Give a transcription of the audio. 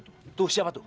lo liat tuh siapa tuh dia